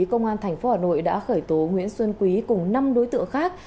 công an thành phố hà nội đã khởi tố nguyễn xuân quý cùng năm đối tượng khác